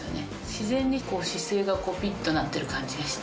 自然に姿勢がピッとなってる感じがして。